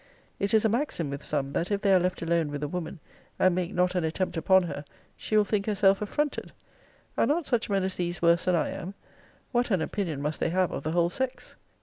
It is a maxim with some, that if they are left alone with a woman, and make not an attempt upon her, she will think herself affronted Are not such men as these worse than I am? What an opinion must they have of the whole sex!